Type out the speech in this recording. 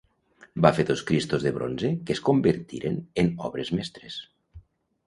Va fer dos Cristos de bronze que es convertiren en obres mestres.